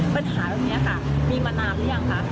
ปัญหาแบบนี้ค่ะมีมานานหรือยังคะ